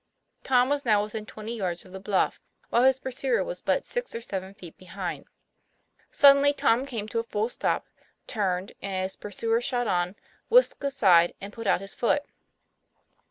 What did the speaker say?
Tom was now within twenty yards of the bluff, while his pursuer was but six or seven feet behind. Suddenly Tom came to a full stop, turned, and as his pursuer shot on, whisked aside, and put out his foot.